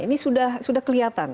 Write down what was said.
ini sudah kelihatan